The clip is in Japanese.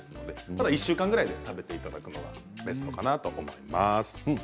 ただ１週間ぐらいで食べていただければベストかなと思います。